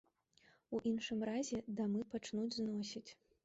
У іншым разе дамы пачнуць зносіць.